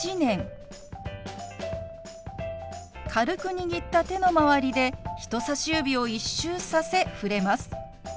軽く握った手の周りで人さし指を一周させ触れます。